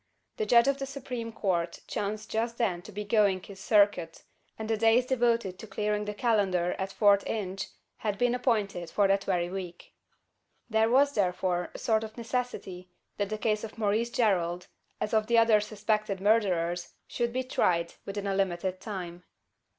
The judge of the Supreme Court chanced just then to be going his circuit; and the days devoted to clearing the calendar at Fort Inge, had been appointed for that very week. There was, therefore, a sort of necessity, that the case of Maurice Gerald, as of the other suspected murderers, should be tried within a limited time.